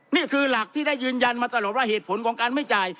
นี่คือหลักที่ได้ยืนยันมาตลอดว่าเหตุผลของการไม่จ่าย